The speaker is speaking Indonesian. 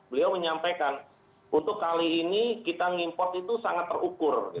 beliau menyampaikan untuk kali ini kita mengimpor itu sangat terukur